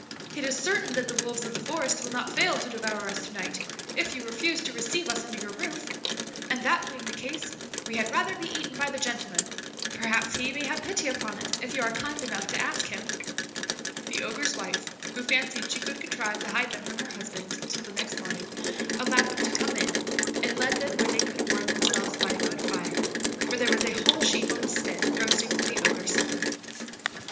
It is certain that the wolves of the forest will not fail to devour us to night, if you refuse to receive us under your roof, and that being the case, we had rather be eaten by the gentleman; perhaps he may have pity upon us, if you are kind enough to ask him." The Ogre's wife, who fancied she could contrive to hide them from her husband till the next morning, allowed them to come in, and led them where they could warm themselves by a good fire, for there was a whole sheep on the spit roasting for the Ogre's supper.